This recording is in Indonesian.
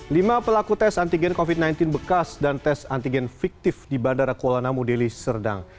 lima pelaku tes antigen covid sembilan belas bekas dan tes antigen fiktif di bandara kuala namu deli serdang